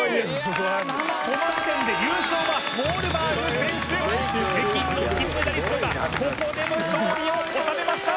この時点で優勝はウォールバーグ選手北京の金メダリストがここでも勝利を収めました